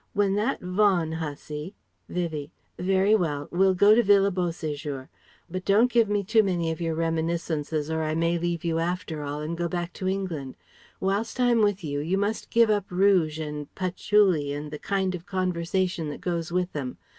When that Vaughan hussy..." Vivie: "Very well. We'll go to Villa Beau séjour. But don't give me too many of your reminiscences or I may leave you after all and go back to England. Whilst I'm with you, you must give up rouge and patchouli and the kind of conversation that goes with them.